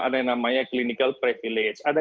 ada yang namanya clinical privilege ada